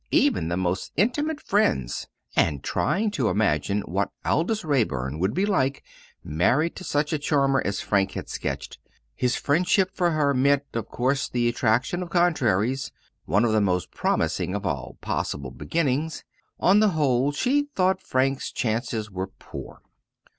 even the most intimate friends and trying to imagine what Aldous Raeburn would be like, married to such a charmer as Frank had sketched. His friendship for her meant, of course, the attraction of contraries one of the most promising of all possible beginnings. On the whole, she thought Frank's chances were poor.